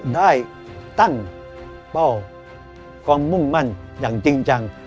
ได้ตั้งเป้าความมุ่งมั่นอย่างจริงจัง